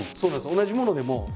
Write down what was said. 同じものでも。